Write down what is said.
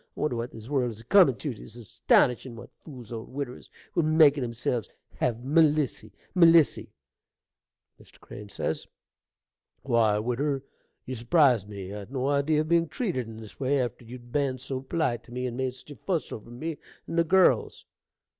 I wonder what this world is a comin' tew: 'tis astonishin' what fools old widdiwers will make o' themselves! Have Melissy! Melissy! Mr. C. Why, widder, you surprise me. I'd no idee of being treated in this way, after you'd ben so polite to me, and made such a fuss over me and the girls.